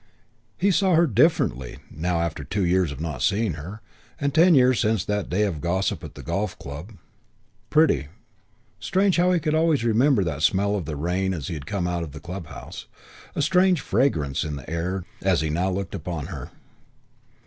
He saw her "differently" now after two years of not seeing her, and ten years since that day of gossip at the golf club. Pretty!... Strange how he could always remember that smell of the rain as he had come out of the clubhouse ... and a strange fragrance in the air as now he looked upon her.